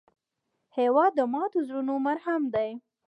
هېواد د ماتو زړونو مرهم دی.